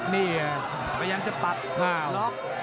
มันยังจะปัดล็อค